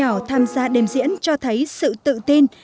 các em nhỏ tham gia đêm diễn cho thấy sự tự tin